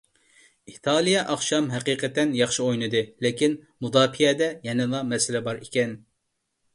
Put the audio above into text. ئىتالىيە ئاخشام ھەقىقەتەن ياخشى ئوينىدى، لېكىن مۇداپىئەدە يەنىلا مەسىلە بار ئىكەن.